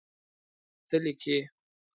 څه لیکې.